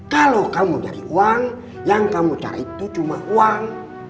kalau kamu cari uang yang kamu cari itu cuma uang